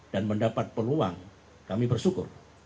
dan mendapat peluang kami bersyukur